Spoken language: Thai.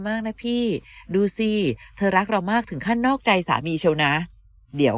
มากนะพี่ดูสิเธอรักเรามากถึงขั้นนอกใจสามีเชียวนะเดี๋ยว